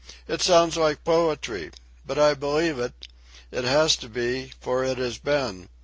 "It sounds like poetry. But I believe it. It has to be, for it has been.